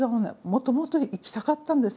もともと行きたかったんですよ。